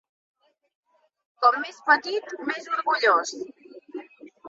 Com més petit més orgullós.